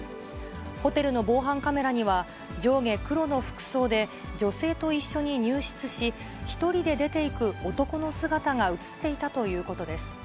ホテルの防犯カメラには、上下黒の服装で、女性と一緒に入室し、１人で出て行く男の姿が写っていたということです。